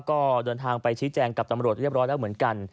ก็เดินทางไปชี้แจงกับตำรวจเรียบร้อยแล้วเหมือนกัน